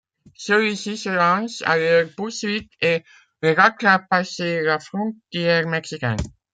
Celui-ci se lance à leur poursuite et les rattrape passé la frontière mexicaine.